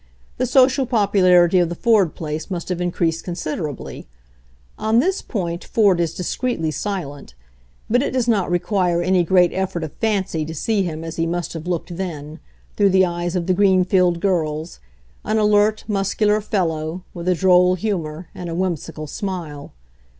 The social popularity of the Ford place must have increased considerably. On this point Ford is discreetly silent, but it does not require any great effort of fancy to see him as he must have looked then, through the eyes of the Greenfield girls, an alert, muscular fellow, with a droll humor and a whim sical smile.